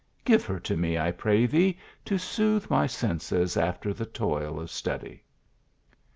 Give her to me, I pray thee, to sooth my senses after the toil of study."